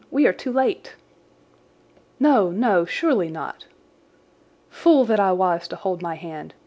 We are too late." "No, no, surely not!" "Fool that I was to hold my hand.